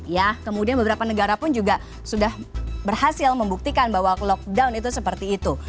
ya kemudian beberapa negara pun juga sudah berhasil membuktikan bahwa lockdown itu seperti itu